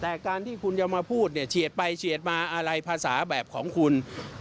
แต่การที่คุณจะมาพูดเนี่ยเฉียดไปเฉียดมาอะไรภาษาแบบของคุณ